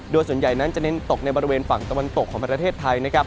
โดยส่วนใหญ่นั้นจะเน้นตกในบริเวณฝั่งตะวันตกของประเทศไทยนะครับ